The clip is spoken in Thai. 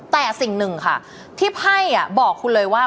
แต่สิ่งหนึ่งค่ะที่ไพ่บอกคุณเลยว่า